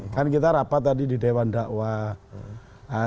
kan kita rapat tadi di dewan dakwah